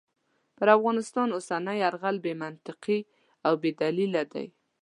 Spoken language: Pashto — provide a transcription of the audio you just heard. پر افغانستان اوسنی یرغل بې منطقې او بې دلیله دی.